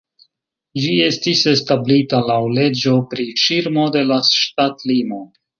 Ĝi estis establita laŭ leĝo pri ŝirmo de la ŝtatlimo.